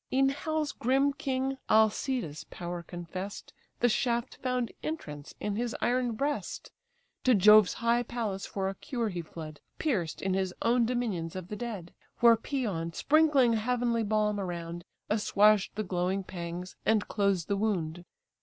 E'en hell's grim king Alcides' power confess'd, The shaft found entrance in his iron breast; To Jove's high palace for a cure he fled, Pierced in his own dominions of the dead; Where Paeon, sprinkling heavenly balm around, Assuaged the glowing pangs, and closed the wound.